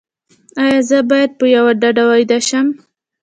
ایا زه باید په یوه ډډه ویده شم؟